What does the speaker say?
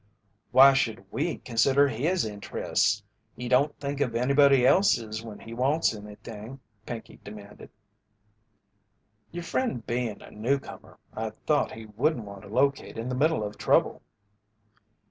"Why should we consider his interests? He don't think of anybody else's when he wants anything," Pinkey demanded. "Your friend bein' a newcomer, I thought he wouldn't want to locate in the middle of trouble."